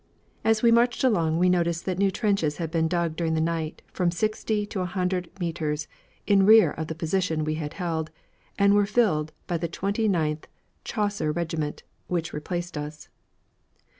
As we marched along we noticed that new trenches had been dug during the night from sixty to a hundred metres in rear of the position we had held, and were filled by the Twenty ninth Chasseur Regiment, which replaced us.